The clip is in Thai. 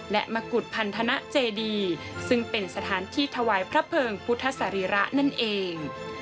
และมะกุฎพันธนเจดีซึ่งเป็นสถานที่ถวายพระเพิงพุทธศรีระนั่นเอง